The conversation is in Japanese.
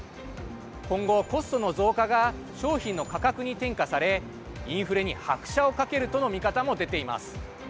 今後、コストの増加が商品の価格に転嫁されインフレに拍車をかけるとの見方も出ています。